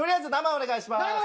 生お願いします。